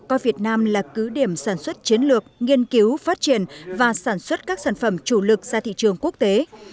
coi việt nam là cứ điểm sản xuất chiến lược nghiên cứu phát triển và sản xuất các sản phẩm chủ lực ra thị trường quốc tế